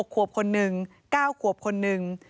๖ควบคนนึง๙ควบคนนึง